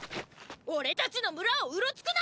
おれたちの村をうろつくな！！